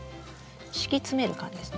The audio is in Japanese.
敷き詰める感じですね。